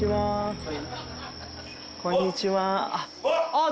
・あっ！